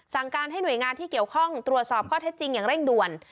สั่งการให้หน่วยงานที่เกี่ยวข้องตรวจสอบข้อเท็จจริงอย่างเร่งด่วน